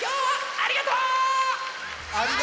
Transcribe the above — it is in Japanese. ありがとう！